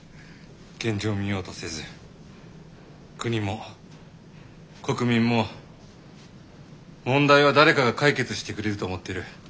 現状を見ようとせず国も国民も問題は誰かが解決してくれると思ってる。